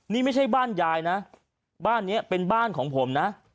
นี่ไม่ใช่บ้านยายนะบ้านนี้เป็นบ้านของผมนะ